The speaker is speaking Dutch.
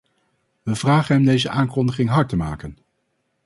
We vragen hem deze aankondiging hard te maken.